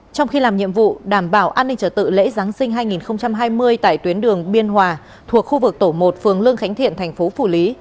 trong khi làm nhiệm vụ đảm bảo an ninh trở tự lễ giáng sinh hai nghìn hai mươi tại tuyến đường biên hòa thuộc khu vực tổ một phường lương khánh thiện thành phố phủ lý